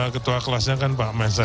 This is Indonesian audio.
ketua kelasnya kan pak mesej